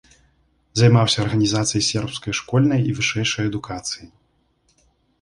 Займаўся арганізацыяй сербскай школьнай і вышэйшай адукацыі.